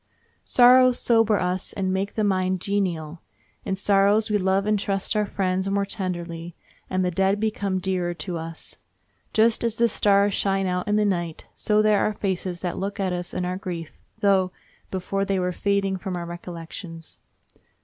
Sorrows sober us and make the mind genial. In sorrows we love and trust our friends more tenderly, and the dead become dearer to us. Just as the stars shine out in the night, so there are faces that look at us in our grief, though before they were fading from our recollections.